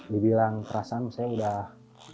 dibilang kerasan saya udah